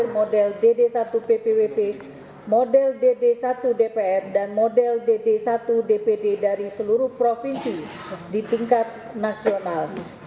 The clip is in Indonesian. model dd satu ppwp model dd satu dpr dan model dd satu dpd dari seluruh provinsi di tingkat nasional